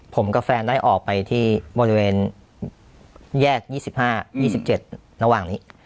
ผมกับแฟนได้ออกไปที่บริเวณแยกยี่สิบห้ายี่สิบเจ็ดระหว่างนี้